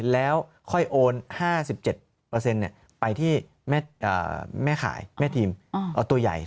แล้วค่อยโอน๕๗ไปที่แม่ขายแม่ทีมเอาตัวใหญ่